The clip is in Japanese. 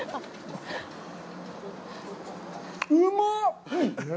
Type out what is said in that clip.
うまっ！